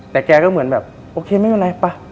แต่แกก็เหมือนแบบโอเคไม่เป็นไรป่ะ